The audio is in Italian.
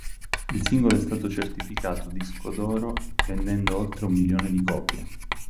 Il singolo è stato certificato disco d'oro vendendo oltre un milione di copie.